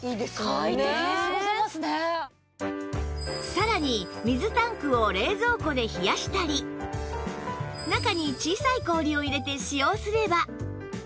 さらに水タンクを冷蔵庫で冷やしたり中に小さい氷を入れて使用すれば